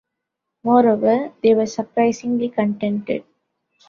Moreover, they were surprisingly contented.